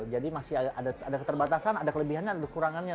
jadi masih ada keterbatasan ada kelebihannya ada kekurangannya